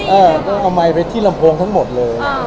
เออก็เอาไหมไปที่ลำโพงทั้งหมดเลย